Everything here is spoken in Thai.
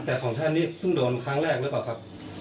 แต่ของท่านนี้เพิ่งโดนครั้งแรกหรือเปล่าครับ